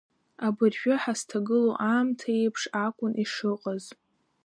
Абыржәы ҳазҭагылоу аамҭа еиԥш акәын ишыҟаз…